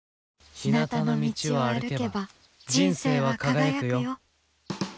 「ひなたの道を歩けば人生は輝くよ」。